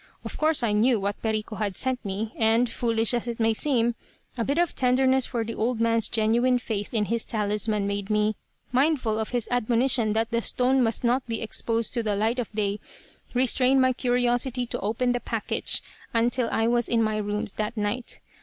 Of course I knew what Perico had sent me, and, foolish as it may seem, a bit of tenderness for the old man's genuine faith in his talisman made me, mindful of his admonition that the stone must not be exposed to the light of day, restrain my curiosity to open the package until I was in my rooms that night.